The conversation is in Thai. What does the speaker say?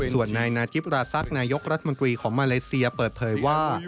ส่วนนายนาจิปราซักนายกราชมกุลของมาลัยเซียเปิดเพลยว่า